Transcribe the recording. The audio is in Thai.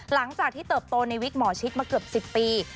หลังจากที่เติบโตในวิกหมอชิดมาเกือบ๑๐ปี